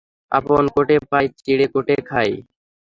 আপন কোটে পাই, চিঁড়ে কোটে খাই।